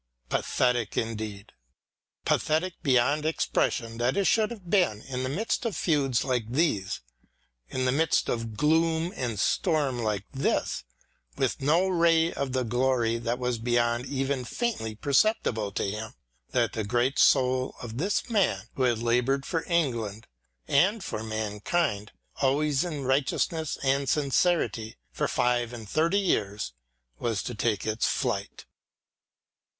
Pathetic indeed, pathetic beyond expression that it should have been in the midst of feuds like ee EDMUND BURKE these — ^in the midst of gloom and storm like this — ^with no ray of the glory that was beyond even faintly perceptible to him, that the great soul of this man who had laboured for England and for mankind, always in righteousness and sincerity, for five and thirty years was to take its flight.